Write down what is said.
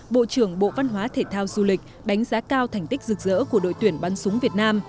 bộ trưởng bộ văn hóa thể thao du lịch đánh giá cao thành tích rực rỡ của đội tuyển bắn súng việt nam